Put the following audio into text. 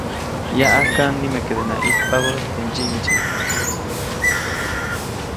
Yaʼajk nimekedenaʼajk ʼijtpabä teʼ ndsyiʼmdsyiʼm.